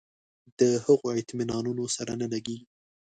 د هغو اطمینانونو سره نه لګېږي.